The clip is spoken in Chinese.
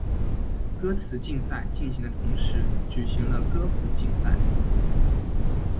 歌词竞赛进行的同时举行了歌谱竞赛。